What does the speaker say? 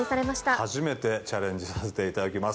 初めてチャレンジさせていただきます。